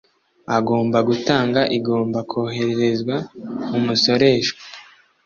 Agomba gutanga igomba kohererezwa umusoreshwa